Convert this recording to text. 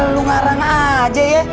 lo ngarang aja ya